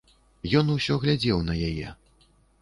Ён усё глядзеў на яе.